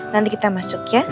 nanti kita masuk ya